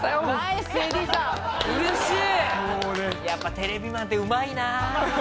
やっぱテレビマンってうまいな。